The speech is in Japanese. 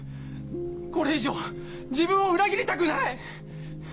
これ以上自分を裏切りたくない！